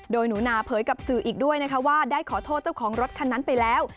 โดยหนูนาเผยกับสื่ออีกด้วยนะคะว่าได้ขอโทษเจ้าของรถคันนั้นไปแล้ว